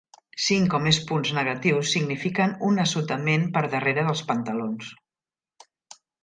Cinc o més punts negatius signifiquen un assotament per darrere dels pantalons.